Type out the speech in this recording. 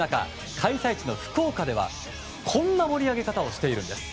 開催地の福岡ではこんな盛り上げ方をしています。